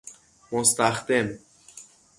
مستخدم